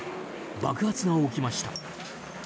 爆発が起きました。